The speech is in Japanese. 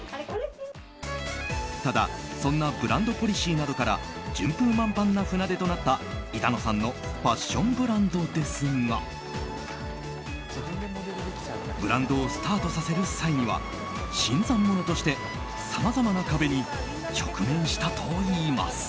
ただ、そんなブランドポリシーなどから順風満帆な船出となった板野さんのファッションブランドですがブランドをスタートさせる際には新参者としてさまざまな壁に直面したといいます。